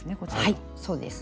はいそうです。